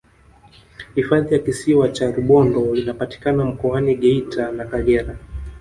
hifadhi ya kisiwa cha rubondo inapatikana mkoani geita na kagera